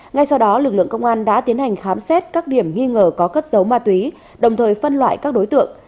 ngay sau đó lực lượng công an đã tiến hành khám xét các điểm nghi ngờ có cất dấu ma túy đồng thời phân loại các đối tượng